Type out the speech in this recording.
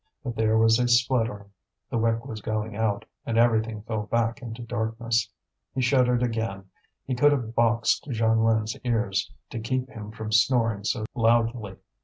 But there was a spluttering, the wick was going out, and everything fell back into darkness. He shuddered again; he could have boxed Jeanlin's ears, to keep him from snoring so loudly.